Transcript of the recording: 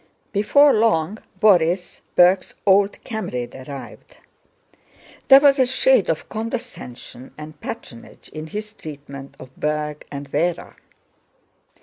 Before long Borís, Berg's old comrade, arrived. There was a shade of condescension and patronage in his treatment of Berg and Véra.